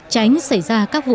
tránh xảy ra các vụ